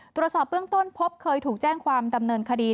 ตรวจสอบเบื้องต้นพบเคยถูกแจ้งความดำเนินคดี